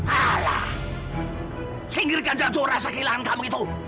alah singkirkan jauh jauh rasa kehilangan kamu itu